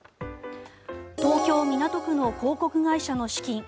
東京・港区の広告会社の資金